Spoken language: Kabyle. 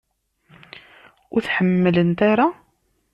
Ur t-ḥemmlent ara?